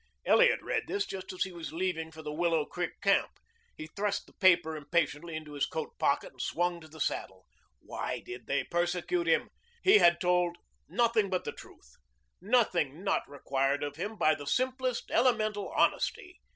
Elliot read this just as he was leaving for the Willow Creek Camp. He thrust the paper impatiently into his coat pocket and swung to the saddle. Why did they persecute him? He had told nothing but the truth, nothing not required of him by the simplest, elemental honesty.